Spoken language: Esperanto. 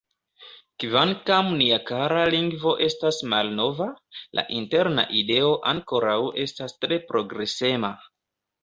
Kvankam nia kara lingvo estas malnova, la interna ideo ankoraŭ estas tre progresema.